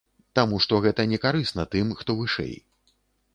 Таму што гэта не карысна тым, хто вышэй.